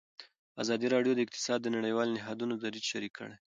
ازادي راډیو د اقتصاد د نړیوالو نهادونو دریځ شریک کړی.